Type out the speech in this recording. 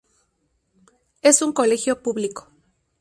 Es un colegio público.